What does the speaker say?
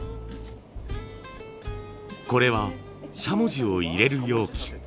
これはしゃもじを入れる容器。